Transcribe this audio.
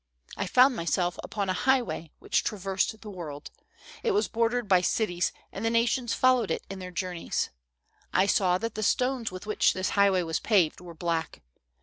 "I found myself upon a highway which traversed the world. It was bordered by cities, and the nations fol lowed it in their journeys. ''I saw that the stones with which this highway was paved were black.